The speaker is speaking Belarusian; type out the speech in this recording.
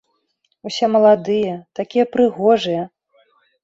Усе маладыя, такія прыгожыя.